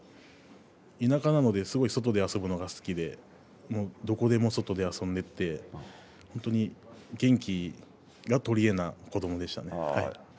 田舎だったので外で遊ぶのが好きでどこでも外で遊んでいて本当に元気がとりえの子どもでしたね。